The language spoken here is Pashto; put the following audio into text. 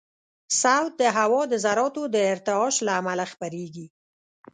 صوت د هوا د ذراتو د ارتعاش له امله خپرېږي.